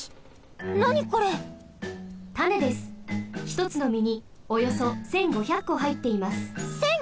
ひとつのみにおよそ１，５００こはいっています。